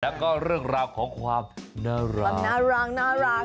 แล้วก็เรื่องราวของความน่ารัก